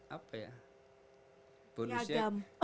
apa ya bonusnya